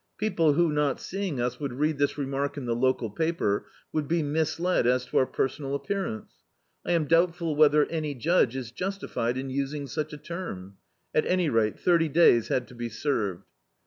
People who, not seeing us, would read this remark in the local paper, would be misled as to our personal ap pearance. I am doubtful whether any Judge is just ified in using such a term. At any rate, thirty days had to be served.